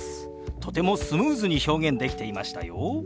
とてもスムーズに表現できていましたよ。